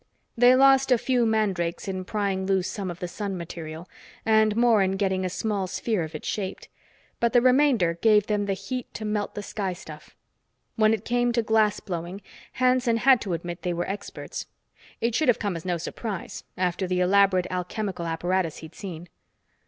They lost a few mandrakes in prying loose some of the sun material, and more in getting a small sphere of it shaped. But the remainder gave them the heat to melt the sky stuff. When it came to glass blowing, Hanson had to admit they were experts; it should have come as no surprise, after the elaborate alchemical apparatus he'd seen.